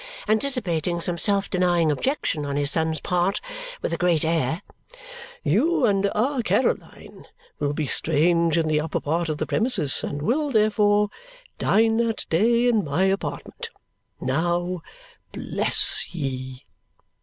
anticipating some self denying objection on his son's part with a great air. "You and our Caroline will be strange in the upper part of the premises and will, therefore, dine that day in my apartment. Now, bless ye!"